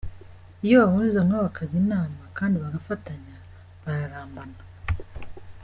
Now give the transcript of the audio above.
Iyo bahuriza hamwe bakajya inama kandi bagafatanya bararambana.